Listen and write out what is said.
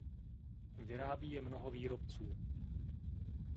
Vyrábí je mnoho výrobců.